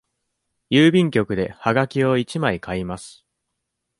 郵便局ではがきを一枚買います。